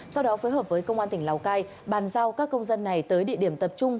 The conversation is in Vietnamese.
sau đó phối hợp với công an tỉnh lào cai bàn giao các công dân này tới địa điểm tập trung